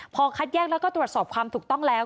พอคัดแยกแล้วก็ตรวจสอบความถูกต้องแล้ว